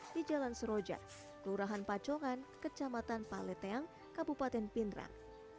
di jalan seroja kelurahan pacongan kecamatan paleteang kabupaten pindrang